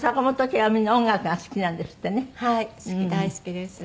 はい大好きです。